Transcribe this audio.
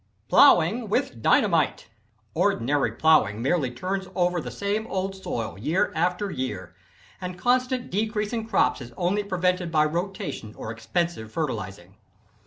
Plowing With Dynamite. Ordinarily plowing merely turns over the same old soil year after year, and constant decrease in crops is only prevented by rotation or expensive fertilizing.